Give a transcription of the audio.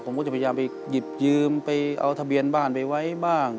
ผมก็จะพยายามไปหยิบยืมไปเอาทะเบียนบ้านไปไว้บ้าง